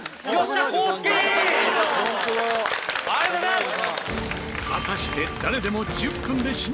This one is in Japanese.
「ありがとうございます！」